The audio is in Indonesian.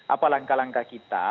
apa langkah langkah kita